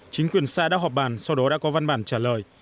chính quyền xã đã họp bàn sau đó đã có văn bản trả lời